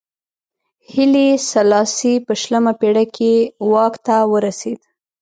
هیلي سلاسي په شلمه پېړۍ کې واک ته ورسېد.